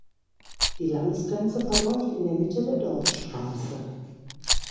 Die Landesgrenze verläuft in der Mitte der Dorfstraße.